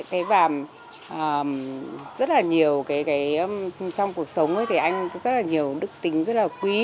thế và rất là nhiều cái trong cuộc sống ấy thì anh rất là nhiều đức tính rất là quý